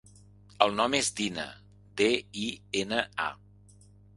El nom és Dina: de, i, ena, a.